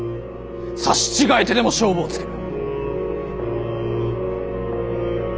刺し違えてでも勝負をつける。